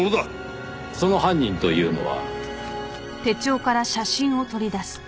その犯人というのは。